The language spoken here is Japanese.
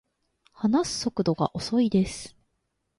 話す速度が遅いです